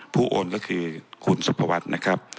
ผู้โอนก็คือคุณสุภวัฒน์